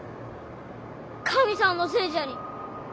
神さんのせいじゃに。